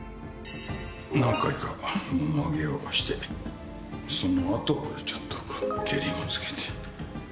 何回かもも上げをしてその後ちょっと蹴りもつけて。